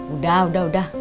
udah udah udah